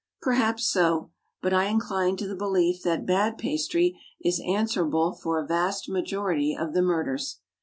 Perhaps so; but I incline to the belief that bad pastry is answerable for a vast majority of the murders.